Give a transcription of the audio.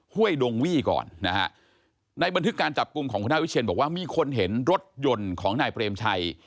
บอกว่ามีคนเห็นรถยนต์ของนายเบรมชัย